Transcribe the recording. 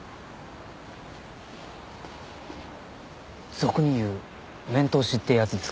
俗に言う面通しってやつですか？